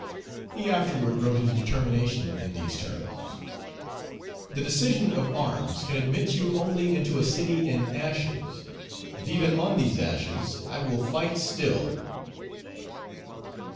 He afterward wrote his determination in these terms, "The decision of arms can admit you only into a city in ashes, and even on these ashes I will fight still!"